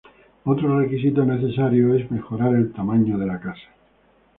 Otro requisito necesario es mejorar el tamaño de la casa.